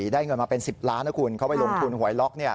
ได้เงินมาเป็น๑๐ล้านนะคุณเขาไปลงทุนหวยล็อก